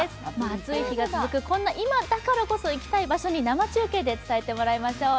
暑い日が続くこんな今だからこそ行きたい場所生中継で伝えてもらいましょう。